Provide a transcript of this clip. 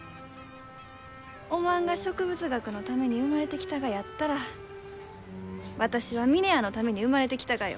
おまんが植物学のために生まれてきたがやったら私は峰屋のために生まれてきたがよ。